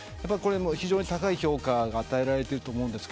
非常に高い評価が与えられていると思います。